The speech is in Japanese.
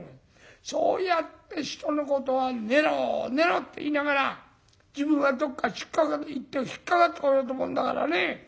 そうやって人のことは寝ろ寝ろって言いながら自分はどっか行って引っ掛かってこようと思うんだからね。